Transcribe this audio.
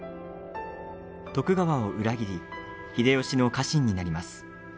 徳川を裏切り秀吉の家臣になります。